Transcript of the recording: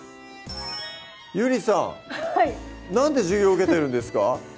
ゆりさんなんで授業受けてるんですか？